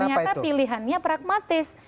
ternyata pilihannya pragmatis